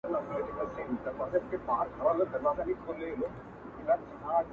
چی د ژوند مو هر گړی راته ناورین سی٫